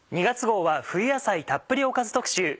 ２月号は冬野菜たっぷりおかず特集。